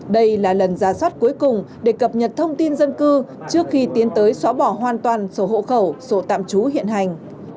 đây là lần ra soát cuối cùng để cập nhật thông tin dân cư trước khi tiến tới xóa bỏ hoàn toàn sổ hộ khẩu sổ tạm trú hiện hành